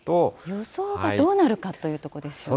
予想がどうなるかというとこですよね。